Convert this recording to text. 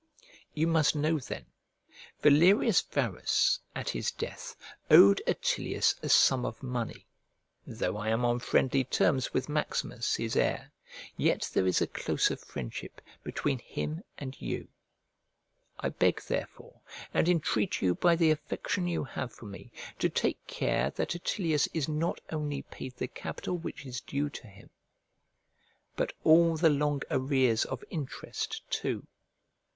You must know then, Valerius Varus, at his death, owed Attilius a sum of money. Though I am on friendly terms with Maximus, his heir, yet there is a closer friendship between him and you. I beg therefore, and entreat you by the affection you have for me, to take care that Attilius is not only paid the capital which is due to him, but all the long arrears of interest too.